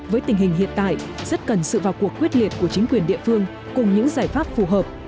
với tình hình hiện tại rất cần sự vào cuộc quyết liệt của chính quyền địa phương cùng những giải pháp phù hợp